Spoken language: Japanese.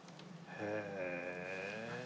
へえ。